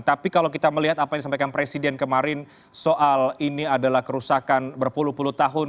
tapi kalau kita melihat apa yang disampaikan presiden kemarin soal ini adalah kerusakan berpuluh puluh tahun